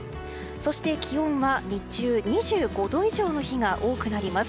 そして気温は、日中２５度以上の日が多くなります。